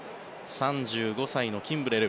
３５歳のキンブレル。